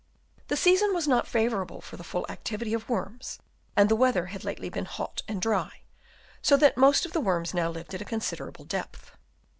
The season was not favourable for the full activity of worms, and the weather had lately been hot and dry, so that most of the worms now lived at a considerable depth.